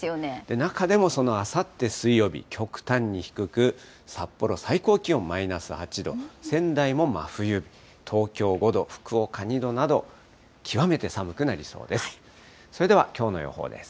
中でもそのあさって水曜日、極端に低く、札幌、最高気温マイナス８度、仙台も真冬日、東京５度、福岡２度など、極めて寒くなりそうです。